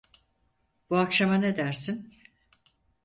Bu akşama ne dersin?